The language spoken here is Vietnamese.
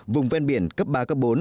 vùng ven biển cấp ba cấp bốn